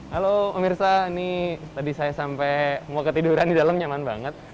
halo pemirsa ini tadi saya sampai mau ketiduran di dalam nyaman banget